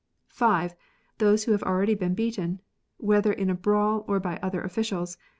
] (5.) Those who have already been beaten. [Whether in a brawl or by other officials.